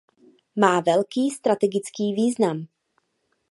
Má velký strategický význam.